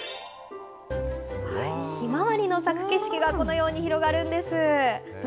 ひまわりの咲く景色が、このように広がるんです。